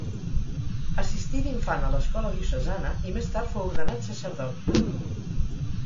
Assistí d'infant a l'escola diocesana i més tard fou ordenat sacerdot.